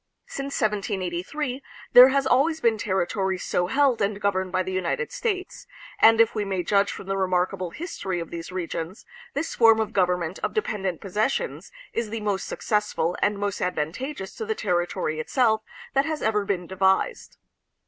Since 1783 there has always been territory so held and governed by the United States, and if we may judge from the remarkable history of these regions, this form of government of dependent possessions is the most successful and most advantageous to the territory itself that has ever been devised.